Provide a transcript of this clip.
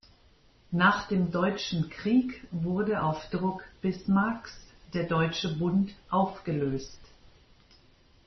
Nach dem Deutschen Krieg wurde auf Druck Bismarcks der Deutsche Bund aufgelöst.